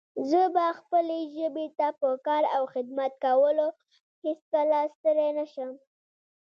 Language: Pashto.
زه به خپلې ژبې ته په کار او خدمت کولو هيڅکله ستړی نه شم